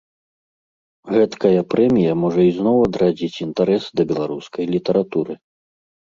Гэткая прэмія можа ізноў адрадзіць інтарэс да беларускай літаратуры.